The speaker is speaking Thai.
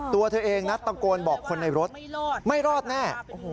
ตัวเธอเองนะตะโกนบอกคนในรถไม่รอดแน่